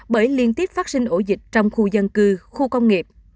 bởi liên tiếp phát sinh ổ dịch trong khu dân cư khu công nghiệp